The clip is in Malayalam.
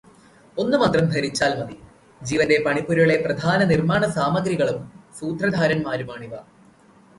ഒന്നുമാത്രം ധരിച്ചാൽ മതി, ജീവന്റെ പണിപ്പുരയിലെ പ്രധാന നിർമ്മാണസാമഗ്രികളും സൂത്രധാരൻമാരുമാണിവ.